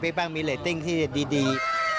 พี่ปั้งมีเรตติ้งที่จะดี